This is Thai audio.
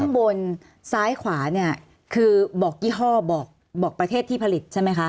ข้างบนซ้ายขวาเนี่ยคือบอกยี่ห้อบอกประเทศที่ผลิตใช่ไหมคะ